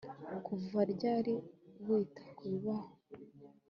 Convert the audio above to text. Kuva ryari wita kubibaho